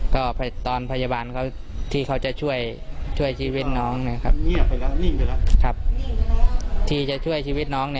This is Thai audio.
ก็ตอนพยาบาลเขาที่เขาจะช่วยชีวิตน้องที่จะช่วยชีวิตน้อง